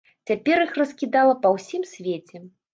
Цяпер іх раскідала па ўсім свеце.